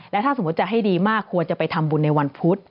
ถ้าสมมุติจะให้ดีมากควรจะไปทำบุญในวันพุธ